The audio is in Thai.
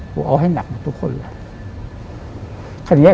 เอาให้หนักหมดทุกคนเลย